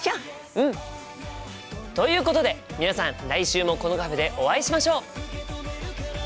うん！ということで皆さん来週もこのカフェでお会いしましょう！